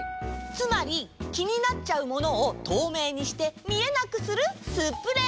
つまりきになっちゃうものをとうめいにしてみえなくするスプレー！